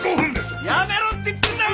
やめろって言ってんだよ